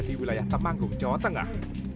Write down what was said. di wilayah temanggung jawa tengah